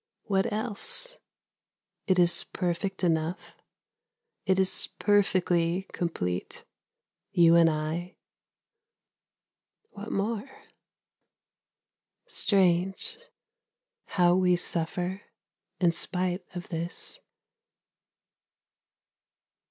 What else it is perfect enough, It is perfectly complete, You and I, What more ? Strange, how we suffer in spite of this!